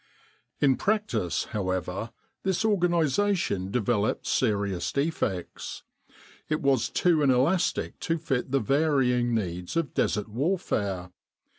In practice, however, this organisation developed serious defects. It was too inelastic to fit the varying needs of Desert warfare.